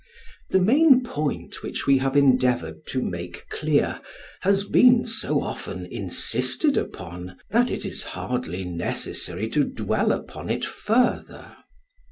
The main point which we have endeavoured to make clear has been so often insisted upon, that it is hardly necessary to dwell upon it further.